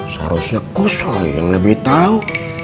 seharusnya kusa yang lebih tahu